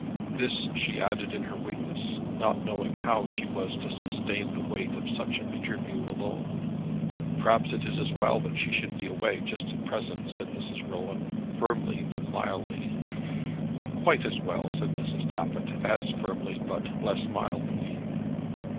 This she added in her weakness, not knowing how she was to sustain the weight of such an interview alone. "Perhaps it is as well that she should be away just at present," said Mrs. Rowan, firmly but mildly. "Quite as well," said Mrs. Tappitt, as firmly, but less mildly.